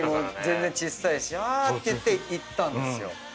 全然小さいしあ！っていっていったんですよ。